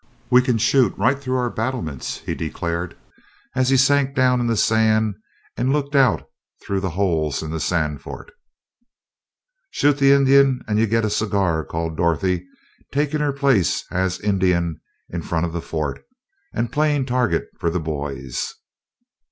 "We can shoot right through our battlements," he declared, as he sank down in the sand and looked out through the holes in the sand fort. "Shoot the Indian and you get a cigar," called Dorothy, taking her place as "Indian" in front of the fort, and playing target for the boys.